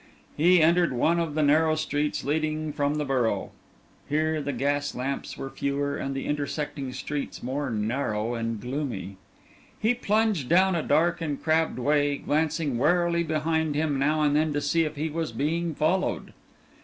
He entered one of the narrow streets leading from the Borough. Here the gas lamps were fewer, and the intersecting streets more narrow and gloomy. He plunged down a dark and crabbed way, glancing warily behind him now and then to see if he was being followed.